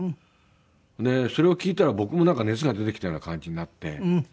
それを聞いたら僕もなんか熱が出てきたような感じになって。